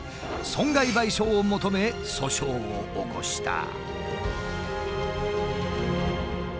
損害賠償を求め訴訟を起こした。